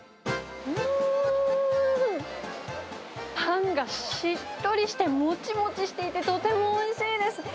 うーん、パンがしっとりして、もちもちしてとてもおいしいです。